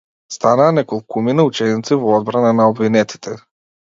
Станаа неколкумина ученици во одбрана на обвинетите.